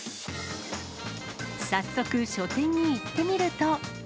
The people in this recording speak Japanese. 早速、書店に行ってみると。